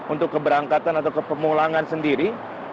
untuk keberangkatan atau kepemulangan sendiri